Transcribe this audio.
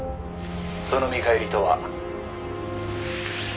「その見返りとは」